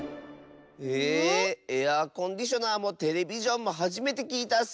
へえエアコンディショナーもテレビジョンもはじめてきいたッス。